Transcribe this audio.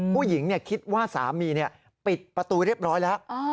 ผู้หญิงเนี่ยคิดว่าสามีเนี่ยปิดประตูเรียบร้อยแล้ว